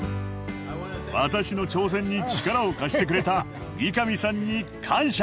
私の挑戦に力を貸してくれた三上さんに感謝！